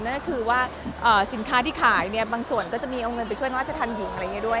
นั่นก็คือว่าสินค้าที่ขายเนี่ยบางส่วนก็จะมีเอาเงินไปช่วยราชธรรมหญิงอะไรอย่างนี้ด้วย